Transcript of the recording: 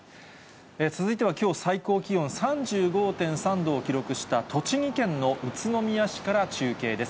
続いてはきょう、最高気温３５．３度を記録した栃木県の宇都宮市から中継です。